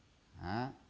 các biện pháp